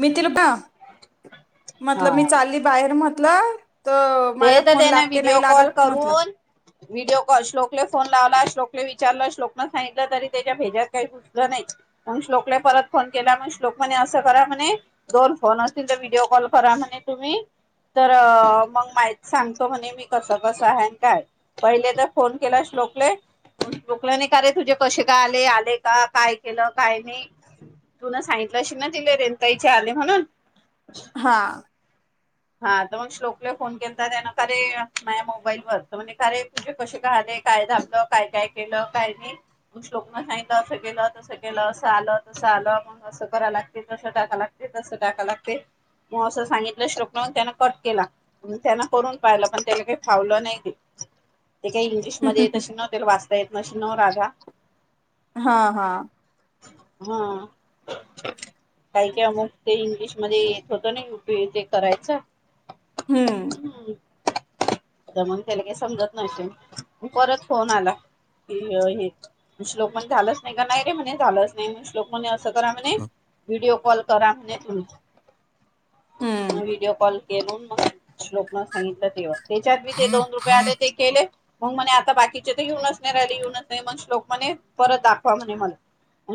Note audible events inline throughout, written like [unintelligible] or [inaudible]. मी तिर का हा मतलब मी चालली बाहेर म्हटलं. तर माझा ते तर फोन त्याने लागते व्हिडिओ नाही कॉल लागत म्हटलं करून व्हिडिओ कॉल श्लोकले फोन लावला श्लोक. विचार श्लोकनं सगित तरी त्याच्या भेजतही नाही श्लोक परत फोन केला शो अस करा म्हणे दोन फोन असतील तर व्हिडओ कॉल करा म्हणे तुम्ही. तर मग मा सांगतो म्हणे मी कस कस आहे काय पहिले तर फोन केला श्लोकले. रोकल्या नाही का रे तुझे कसे काय आले आले का काय केलं काय नाही. तु न सांगितलं श ना तिले रनुताईचे आले म्हणून. हां हा तर मग श्लोक फोन के त्या खरे मा मोबाईल व म्हणजे खरे तुझे कसे काले काय झालत काय कायनाही. केलं काही नाही. श्लोकन सांगितले असं केलं तसं केलं असं आलं तसं आलं मग असं कराय लागतील तसं टाका लागतील. स टाका लागते मग असं सांगितलं श्लोकन मग त्यान कट केला. त्यांना करून पाहिलं पण त्याला काही फावलं नाही. ते काही इंग्लिशमध्ये येतशी नव्ह तेला वाचता येत नशी नव रा [unintelligible] हा हा हम्म काही का अमुक ते इंग्लिशमध्ये येत होतं ना ते करायचं. हम्म म्हणून त्याला काही समजत नसेल परत फोन आला. श्लोक पण झालंच नाही का नाही रे म्हणे झालंच नाही श्लोक म्ह कसं करा म्हणे व्हिडिओ कॉल करा म्हणे तुम्हीच हम्म व्हिडिओ कॉल केलो म्हून मग श्लोकन सांगितलं तेव्हा त्याच्यात मी ते दोन रुपये आले ते केले. मग म्हणे आता बाकीचे तर येेऊनच नाही रॅली येऊनच नाही मग श्लोक म्हणे परत दाखवा म्हणे मला.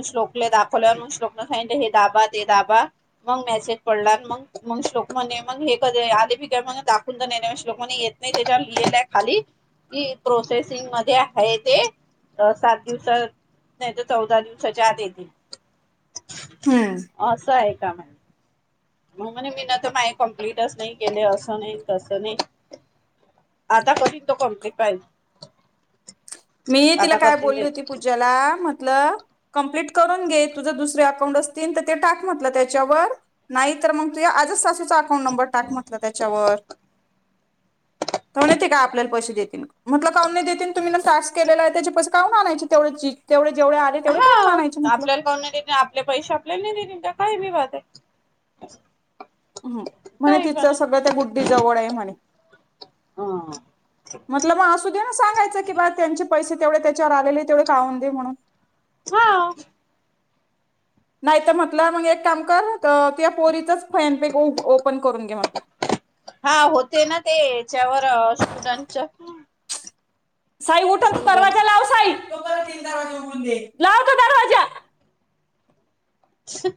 श्लोकले दाखवल्या म श्लोकने हे दाबा ते दाबा मग मेसेज पडला मग श्लोक मान्य मग हे कधी हो ठीक आहे मग दाखव तर नेण्यापेक्षा लोकांनी येत नाही त्याच्या लिहिलंय खाली. की प्रोसेसिंग मध्ये आहे ते सात दिवसात नाही तर चौदा दिवसाच्या आत येतील. हम्म असं आहे का मॅम. हो म्हणे मी ना तर माय कंप्लीटच नाही केले असं नाही तसं नाही. आता करील तो कम्प्लीट फाईल. मी तिला काय बोलली होती पूजाला म्हटलं कंप्लीट करून घे तुझ दुसरे अकाउंट असतील तर ते टाक म्हटलं त्याच्यावर नाही तर मग तु आजच सासू चा अकाउंट नंबर टाक म्हटल त्याच्यावर. काऊन येते काय आपल्याला पैसे देती म्हटलं का नाही देतील तुम्ही ना टास्क केलेला आहे त्याचे पैसे काऊन आनायची तेवढ्याची तेवढे जेवढे आले तेवढे हा काहून आणायचे म्हटलं आपल्याला कोण नाही देत आपले पैसे आपल्याला नाही देतील का. काय मी वाईट आहे. हम्म म्हणे काही पण तिचं आहे सगळं त्या गुड्डी जवळ आहे म्हणे. म्हटल मग असु दे ना सां--गायचं कि बा त्यांची पैसे तेवढे त्याच्यावर आलेले तेवढे काउं दे म्हणून. हा. नाहीत म्हटलं मग एक काम कर या पोरीचच फॅन पेक ओपन करून घे म्हटलं. हा होते ना तेच्यावर स्टुडंटच फॉर्म. साई उठ आणि तो दरवाजा लाव साई तू परत तील दरवाजा उघडून दे लाव का दरवाजा.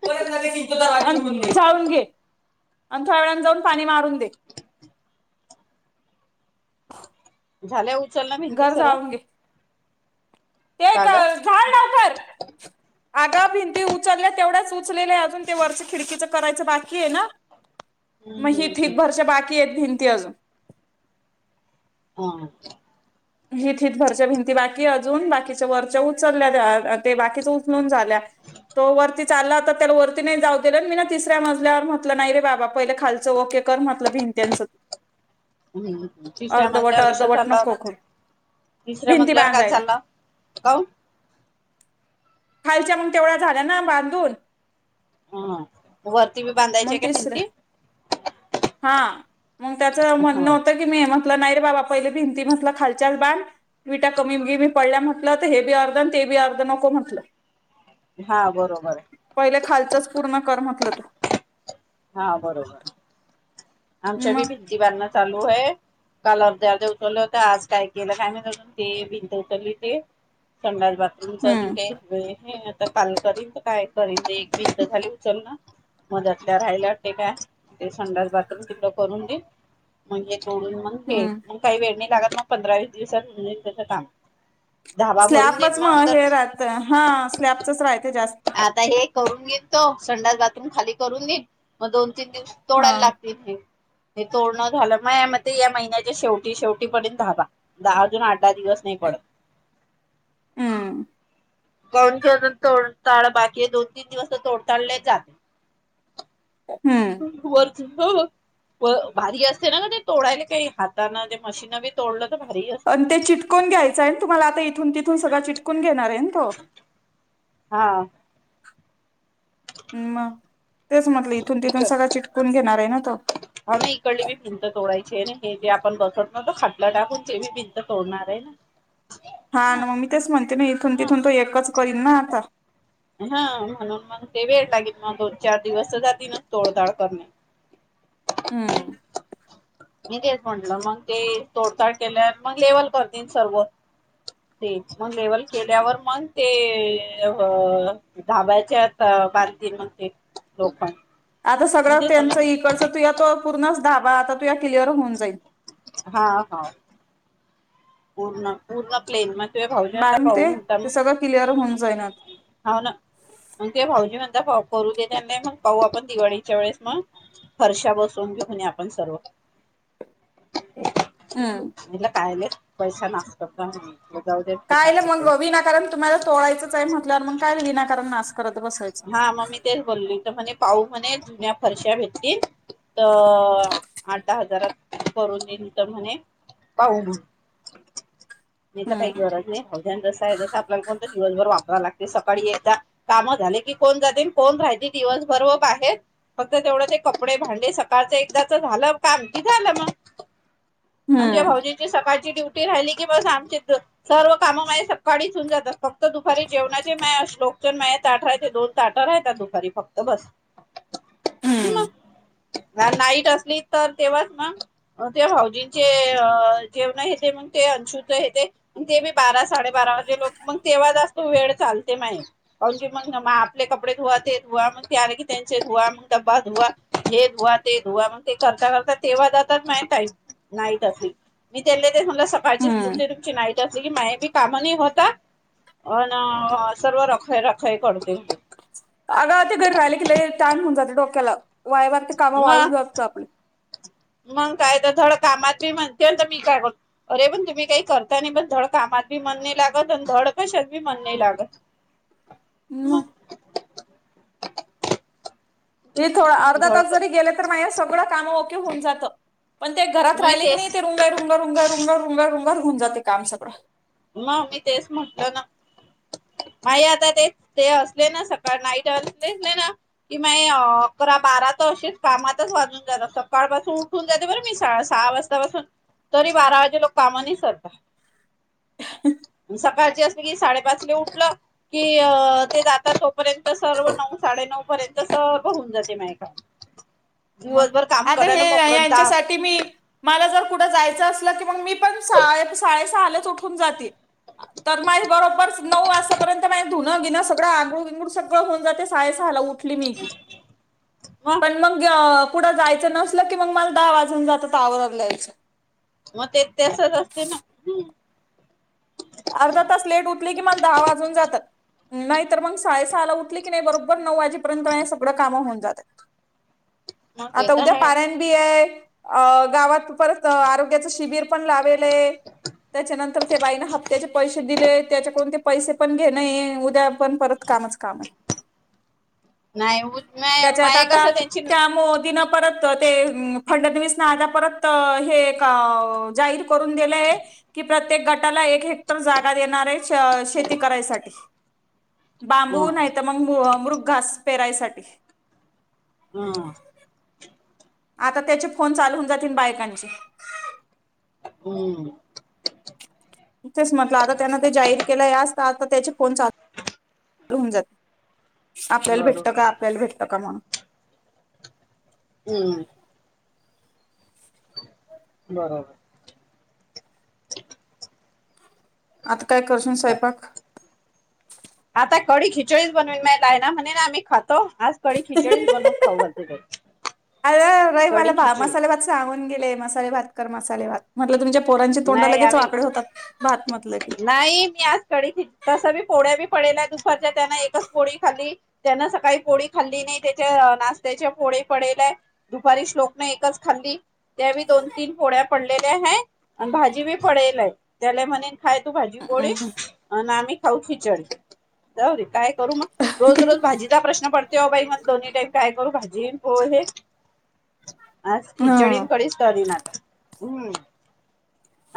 परतिल दरवाजा उघडून घे, जाऊन घे. अंथोळ्या जाऊन पाणी मारून दे. [inaudible] झाल्या उचलन भिंती घर सर्व. जाळून घे ते क कागद झाड लवकर. ते भिंती उचलल्या तेवढ्याच उचलेल्या अजून ते वरच्या खिडकीचं करायंच बाकी आहे ना? हम्म मग हम्म हीत हम्म हितभरच्या बाकी आहेत भिंती अजून. हा. हित हितभरच्या भिंती बाकी अजून बाकीच्या वरच्या उचलल्यात ते बाकीच उचलून झाले. आपल्या तो वरती चालला त्याला वरती नाही जाऊ दिलं मी ना तिसऱ्या मजल्यावर म्हटलं नाही रे बाबा पहिले खालचं ओके कर म्हटलं भिंतती्यांच [inaudible] हम्म तिसऱ्या मजल्यावर कशाला अर्धवट चालला नको होता. करू तिसऱ्या भिंती मजल्यावर काय बांधायला. चाला काऊन? खालच्या मग तेवढ्या झाल्या ना बांधून. हम वरती बी बांधायची मग आहे का तिसऱ्या भिंती? हा मग त्याच म्हणणं हो होतं की मी म्हटलं नाही रे बाबा पहिले भिंती म्हटलं खालच्याच बांध. विटा कमी मी पडल्या म्हटलं तर हे बी अर्ध ते बी अर्ध नको म्हटलं. हा बरोबर आहे. पाहिलं खालचाच पूर्ण कर म्हटलं तो. हा बरोबर, आमच्या बी मग भिती बांधणे चालू आहे. कलर दे उठले होते आज कायमाहित गेले ते उठली ती. संडास बाथरूम चा अजून हम्म काही वेळ नाही. तर काल करीन तर काय करीन एक बी खाली उचल ना. मदतला राहायला वाटते का ते संडास बाथ करून दे मग सोडून मग वे हम्म. मग काही वेळ नाही लागत मग पंधरावी विस दिवसात होईल त्याच काम धाबा भरून देईन स्लॅबच म मग अंदर हे राहतं हा स्लॅबच राहते जास्त आता हे करून घेतो तो संडास बथरूम खाली करून घेईन मग दोन त दिव हा तोडायला लागतील हे हे तोरण झालं मग या म या महिन्याच्या शेवटी शेवटी पर्यंत धाबा दहा अजून आठ दहा दिवस नाहीकण हम कान घे तोडताळ बाकी दोन तीन दिवस तोडताळले जाते हम्म च हो भारी असते ना ते तोडायला काही हाताने ज मशीन बी तोडलं तर भारी असते आणि ते चिटकून घ्यायचंय तुम्हाला आता इथून तिथून सगळं चिटकून घेणार आहे तो हा ह् म तेच म्हटलं इथून तिथून सगळं चिटकून घेणार आहे ना तो ह म इकडली बी भिंत तोडायची आहे हे जे आपण बसवत नात खाटला टाकून ती पिंच तोडणार आहे ना हा मग मी तेच म्हणते ना इथून हा तिथून त एकच करीन ना आता हा म्हणून मग ते वेळ लागेल मग दोन चार दिवस जातील ना तोडताड करणे हम्म मी तेच म्हटलं मग ते तोडताड केले मग लेवल करतील सर्व ते लेवल केल्यावर मन ते धाब्याच्या बांधते म्हणते लोकण आता सगळं त्यांच इकडच तुया तो पूर्णच धाबा आता तुया क्लिअर होऊन जाईल हा हा पूर्ण पूर्ण प्लेन मग तु भाऊज आता बाहेर पाहून ते होता ते मग सगळं क्लिअर होऊन जाईन आता अ ना मग ते भाऊजी म्हणता करू देेत त्यां नाही मग पाहू आपण दिवाळीच्या वेळेस मग हरषा बसून आपण सर्व हम्. मला कायले पैसा नासतात का जाऊ दे ठिकाण काय तिकडे म्हगलं विनाकारण तुम्हाला तोळायंचय म्हटल्यावर मग काय विनाकारण ना हा मग मी तेच बोलली तर म्हणे पाह म्हणे जुन्या फरश्या भेटतील तर आठहा हजारात करून तर म्हणे पाहू मग याला काही हम्म गरज नाहीवजन जस आहे जसं आपल्याला कोणत दिवसभर वापरा लागत ते सकाळी एकदा काम झाले की कोण जाते कोण राहय दिवसभर बाहे फक्त तेवढं ते कपडे भांडे सकाळचे एकदाच झालं का क झालं मग म्हजे हम्म भाऊजीची सकाळ राहिली क आ सर्व काम सकाळीातात फक्त दुपारी जेवणा ललोक म आठवा ते दोन ताटा राहतात दुपारी फक्त बस हम्म नाईट असली तर तेव्हाच मग ते भाऊजींचे जेवण हे म ते अंशुतेत ते मी बारा साडेबाराे लोक मग तेव्हा जास्तो वेळ चालते माहि अ जे म्ह म आपले कपडे धुवा ते धुवा मग त्या की त्यांचे धुवा मण डब्बा धुवा हे धुवा ते धुवा कर तेव्हा ज नाही मी तेमला सकाळची स्ूल हम्म. ते तुमची नाहीईट असली की मायाेी कामनी होता अ सर्व रख रखई करते अगा ते घरी राहिले कि टाईम होऊन जातो डोक्याला वायावार ते काम मग वाळून असत आपण मग काय तर धड कामाती म्हणतेय मी काय बोल अरे पण तुम्ही काही करता नाही पण धडकामात बी म्हणणे लागत आणि धडकशी म्हणणे लागत मम्म मग ते मी थोड म्हटलं अर्धा धड तास जरी कर गेले तर माझे सगळं कामं ओके होऊन जातं पण ते घरात मग राहिले की नाही तेच ते रुंगय रुंग रुंगय रुंग रुंग रुंगरधऊन जाते काम सगळं म मी तेच म्हणलं ना मा आता ते ते असले ना सकाळ नाईट असलेच नाही ना कि मा अकरा बारा च कामातच वाजून झा सकाळ पाासून उठून जये बरं मी सहा वाजतापासून तरी बारा वाजे लोक कामानी सरतात सकाळची असली की साडेपाचले उठलं की ते जाता तोपर्यंत सर्व नऊ साडेनऊ र्यंत बघून जाे मा का मग आता हे मोकळून जा यांच्यासाठी मी मला जर कुठं जायचं असलं की मग मी पण साडेसहालाच उठून जातील तर माझ बरोबर नऊ वाजतापर्यंत मा धुनं घेणं सगळं आंगुळ विंगूड सगळं होऊन जाते सायसहाला उठ ी मग पण मंग क पुढं जायचं नसल की मग मला दहा वाजून जात आवरलायचं मग ते ते असच असते ना अर्धा तास लेट उतली कि मला दहा वाजून जातात नाही तर मग साडेसहाला उठली की नाही बरोबर नऊ वाजेपर्यंत सगळं कामं होऊन जातात मग ते आता उद्या तर आहे पाारणबी आहे अ गावात परत आरोग्याच शिबीर पण लालय त्याच्यानंतर ते बाई ह त्याचे पैसे दिले त्याच्याकडून ते पैसे पण घेणे उद्या पण परत कामच काम आहे नाही त्याच्यात माय आता कसं त्यांची त्या मोदीना परत ते फडणवीस न आता परत हे जाहीर करून दिलंय कि प्रत्येक गटाला एक हे जागात येणार आहे शेती करायसाठी ह बांबू नाही तर मग मूर घास पेरायसाठी ह आता त्याचे फोन चालवून जातील बायकांचे हम् तथेच म्हटलं आता त्यांन ते जाहीर केलं यास आता त्याचे फोन चालू लहन जात आपल्याला भेटत बरोबर का आपल्याला भेटत का म्हणून हम्म बरोबर आता काय करशून साहेबक थवडी खिचडीच बनून मला आहे ना म्हणे ना आम्ही खातो कडी खिचडीच बनवून खाऊ घालते कडी खिचडी गले मसाले भात कर मसाले भात म्हटलं तुमच्या पोरांची तोंड नाही लगेच आम्ही वाकडे होतात भात म्हटलं की नाही मी आज कडी तस बी पोड्या बी डे दुपारच्या त्यान एकच पोळी खाल्ली त्यान सकाळी पोळी खाल्ली नाही त्याच्या नाशत्याच्या पोळी फो पडले दुपारी श्लोक नाही एकच खाल्ली त्यावे दोन तीन फोड्या पडलेल्या ह आणि भाजी बी पडेलय त्याला म्हणेन खाय तू भाजी पोळी हम्म आणि आम्ही व खीचड जाऊे काय करू मग रोज रोज भाजीचा प्रश्न पडते हो बाई मग दोन्ही टाईम काय करू भाजी हो हे आज हम्म खिचडींकडेच टलीन आता हम्म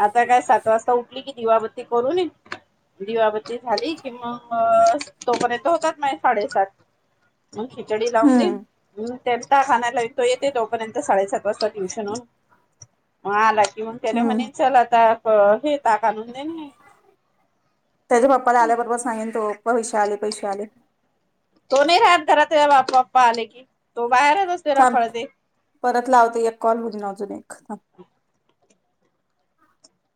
आता काय सात वाजता उठली कि दिवाबत्ती करून दिवाबती झाली कि मग तोपर्यंत होतात मा साडेसात हम् खिचडी लावने हम्म हम् ते खाला तो येते तोपर्यंत साडेसात वाजता ट्युशनहून मग आला की हम्म म्हणेन चल आता घे [unintelligible] ता का आणून दे त्याच्या पप्पा ला आल्या बरोबर सांगेन तो पैसे आले पैसे आले तो नाही राहात घरात बा्पा पप्पा आले की तो बाहेरच असते थांब रखडते परत लावत एक कॉल म्हणून अजून एक [unintelligible]